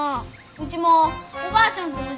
うちもおばあちゃんとおじちゃん